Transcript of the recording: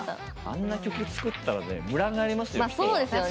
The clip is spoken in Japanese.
あんな曲作ったらね群がりますよ